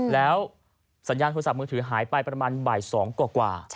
แล้วสัญญาณโทรศัพท์มือถือหายไปประมาณบ่าย๒กว่า